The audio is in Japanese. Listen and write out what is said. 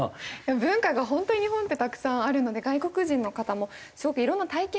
文化が本当に日本ってたくさんあるので外国人の方もすごくいろんな体験をして帰れますよね。